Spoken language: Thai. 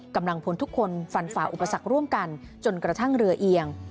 กำลังพลทุกคนฟันฝ่าอุปสรรคร่วมกันจนกระทั่งเรือเอียง